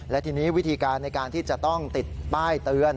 และทีนี้วิธีการในการที่จะต้องติดป้ายเตือน